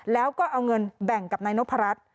แล้วก็เอาเงินแบ่งกับนายนพรัช